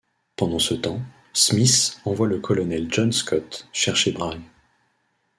Pendant ce temps, Smith envoie le colonel John Scott chercher Bragg.